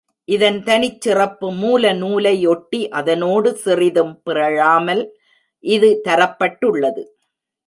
இதன் தனிச் சிறப்பு மூல நூலை ஒட்டி அதனோடு சிறிதும் பிறழமால் இது தரப்பட்டுள்ளது.